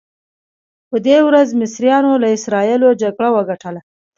په دې ورځ مصریانو له اسراییلو جګړه وګټله.